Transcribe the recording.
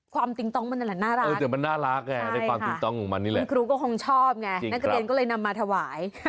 ความติงตองมันแหละน่ารักใช่ค่ะคุณครูก็คงชอบไงนักเรียนก็เลยนำมาถวาย